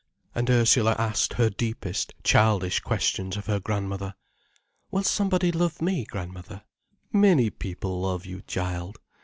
And Ursula asked her deepest childish questions of her grandmother. "Will somebody love me, grandmother?" "Many people love you, child.